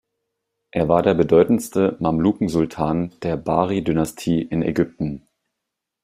Er war der bedeutendste Mamlukensultan der Bahri-Dynastie in Ägypten.